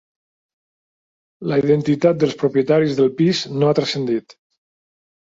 La identitat dels propietaris del pis no ha trascendit.